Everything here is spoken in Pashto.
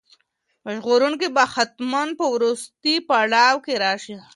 ژغورونکی به حتماً په وروستي پړاو کې راشي.